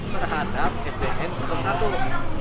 terhadap sdm ke satu